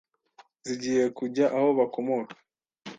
zigiye kujya aho bakomoka